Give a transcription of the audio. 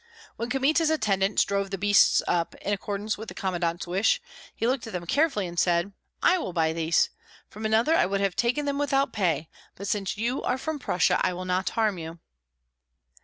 When Kmita's attendants drove the beasts up, in accordance with the commandant's wish, he looked at them carefully and said, "I will buy these. From another I would have taken them without pay; but since you are from Prussia, I will not harm you."